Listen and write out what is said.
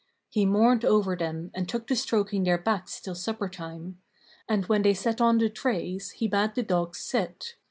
He mourned over them and took to stroking their backs till supper time; and when they set on the trays he bade the dogs sit.